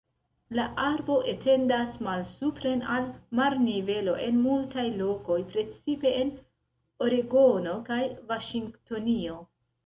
La arbo etendas malsupren al marnivelo en multaj lokoj, precipe en Oregono kaj Vaŝingtonio.